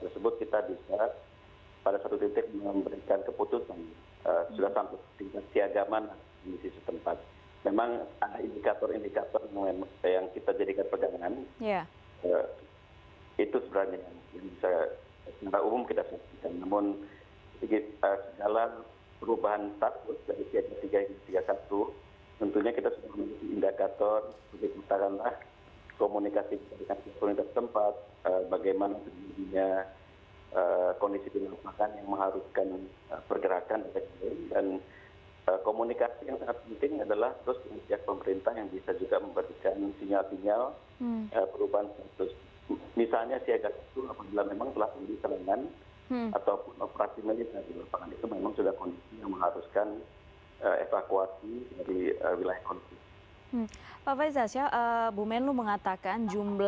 supaya tidak terjadi skamasi dan kekenasan atau ketegangan